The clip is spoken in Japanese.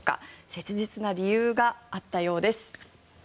切実な理由があったようです。